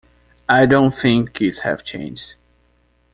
I don't think kids have changed.